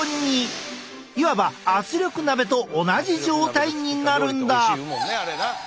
いわば圧力鍋と同じ状態になるんだ。